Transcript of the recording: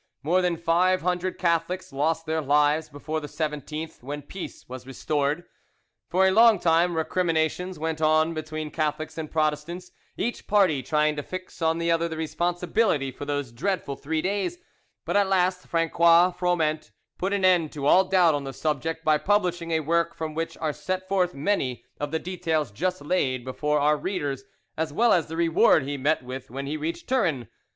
More than five hundred Catholics lost their lives before the 17th, when peace was restored. For a long time recriminations went on between Catholics and Protestants, each party trying to fix on the other the responsibility for those dreadful three days; but at last Franqois Froment put an end to all doubt on the subject, by publishing a work from which are set forth many of the details just laid before our readers, as well as the reward he met with when he reached Turin.